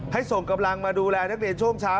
ส่งกำลังมาดูแลนักเรียนช่วงเช้า